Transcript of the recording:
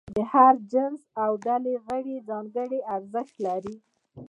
د هر جنس او ډلې غړي ځانګړي ارزښت لري.